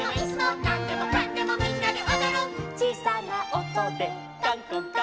「なんでもかんでもみんなでおどる」「ちいさなおとでかんこんかん」